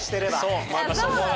そう。